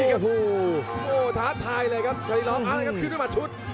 โอ้โหท้าทายเลยครับเชอรี่ร้องอาร์ตนะครับขึ้นด้วยหมัดชุด